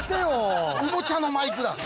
おもちゃのマイクだ！